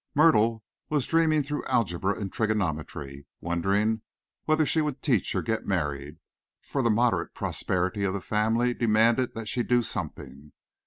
Myrtle was dreaming through algebra and trigonometry, wondering whether she would teach or get married, for the moderate prosperity of the family demanded that she do something.